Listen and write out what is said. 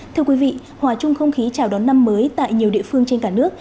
thưa quý vị hòa chung không khí chào đón năm mới tại nhiều địa phương trên cả nước